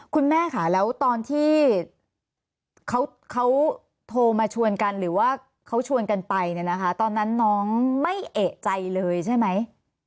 คุณแม่ค่ะแล้วตอนที่เขาโทรมาชวนกันหรือว่าเขาชวนกันไปเนี่ยนะคะตอนนั้นน้องไม่เอกใจเลยใช่ไหม